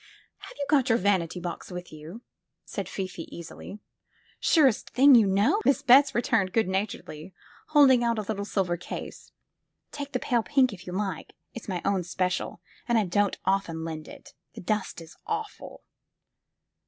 *'Have you got your vanity box with yout" said Fifi easily. ''Surest thing you know," Miss Betts returned good naturedly, holding out a little silver case. ''Take the pale pink if you like; it's my own special, and I don't often lend it. This dust is awful."